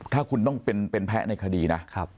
ถ้าคุณต้องเป็นแพ้ในคดีนะ